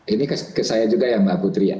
ini ke saya juga ya mbak putri ya